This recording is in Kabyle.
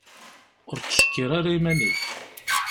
Ur ttcekkir ara iman-ik.